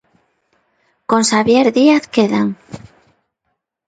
Con Xabier Díaz quedan.